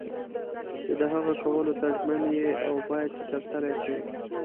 چې د هغه کولو ته ژمن یې او باید چې ترسره یې کړې.